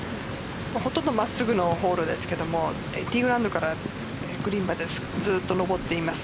ほとんど真っすぐのホールですけどティーインググラウンドからグリーンまでずっと上っています。